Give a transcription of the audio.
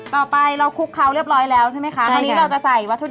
ต่อไปเราคลุกเคล้าเรียบร้อยแล้วใช่ไหมคะตอนนี้เราจะใส่วัตถุ